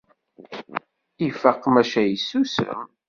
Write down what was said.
Ifaq maca yessusem.